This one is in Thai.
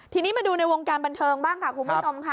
ทีนี้มาดูในวงการบันเทิงบ้างค่ะคุณผู้ชมค่ะ